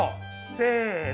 せの。